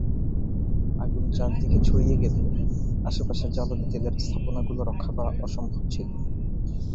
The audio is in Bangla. আগুন চারদিকে ছড়িয়ে গেলে আশপাশের জ্বালানি তেলের স্থাপনাগুলো রক্ষা করা অসম্ভব ছিল।